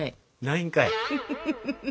ないんかい！